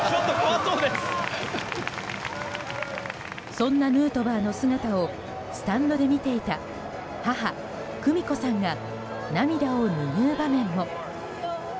そんなヌートバーの姿をスタンドで見ていた母・久美子さんが涙を拭う場面も。